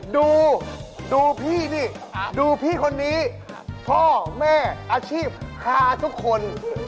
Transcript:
ดูดูพี่ดิดูพี่คนนี้พ่อแม่อาชีพฮาทุกคน